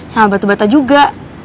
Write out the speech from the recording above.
sama batu bata juga